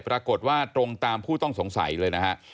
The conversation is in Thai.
ปรากฏว่าตรงตามผู้ต้องสงสัยเลยนะฮะ